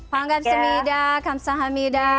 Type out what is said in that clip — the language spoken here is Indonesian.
panggat semidah kamsahamida